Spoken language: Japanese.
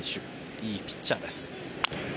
いいピッチャーです。